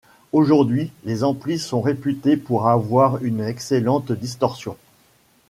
Aujourd'hui, les amplis sont réputés pour avoir une excellente distorsion.